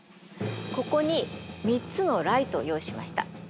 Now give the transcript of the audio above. ここに３つのライトを用意しました。